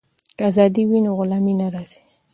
که ازادي وي نو غلامي نه راځي.